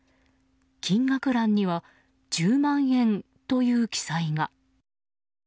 金額欄には１０万円という記載が。